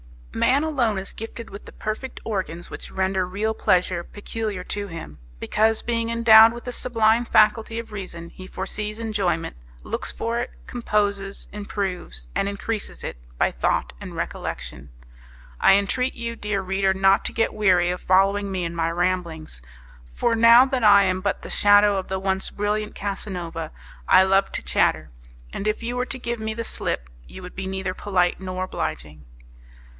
Man alone is gifted with the perfect organs which render real pleasure peculiar to him; because, being endowed with the sublime faculty of reason, he foresees enjoyment, looks for it, composes, improves, and increases it by thought and recollection. I entreat you, dear reader, not to get weary of following me in my ramblings; for now that I am but the shadow of the once brilliant Casanova, I love to chatter; and if you were to give me the slip, you would be neither polite nor obliging.